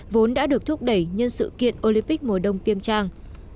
vốn đã được thúc đẩy nhân sự kiện olympic mùa đông tiêng trang